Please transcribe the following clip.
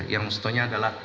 yang mestinya adalah